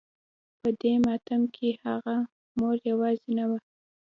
په دې ماتم کې هغه مور يوازې نه وه.